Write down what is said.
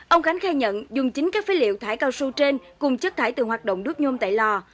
ông khánh khai nhận dùng chính các phế liệu thải cao su trên cùng chất thải từ hoạt động đốt nhôm tại lò